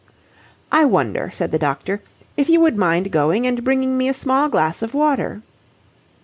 "I wonder," said the doctor, "if you would mind going and bringing me a small glass of water?"